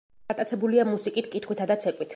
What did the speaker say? გატაცებულია მუსიკით, კითხვითა და ცეკვით.